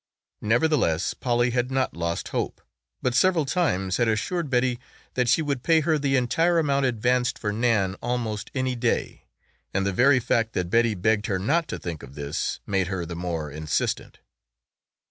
Nevertheless Polly had not lost hope, but several times had assured Betty that she would pay her the entire amount advanced for Nan almost any day, and the very fact that Betty begged her not to think of this made her the more insistent.